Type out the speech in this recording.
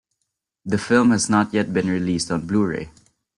The film has not yet been released on Blu-ray.